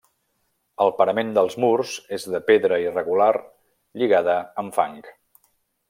El parament dels murs és de pedra irregular lligada amb fang.